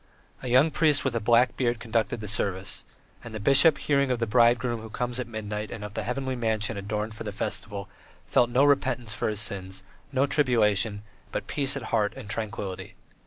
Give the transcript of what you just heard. A young priest with a black beard conducted the service; and the bishop, hearing of the Bridegroom who comes at midnight and of the Heavenly Mansion adorned for the festival, felt no repentance for his sins, no tribulation, but peace at heart and tranquillity.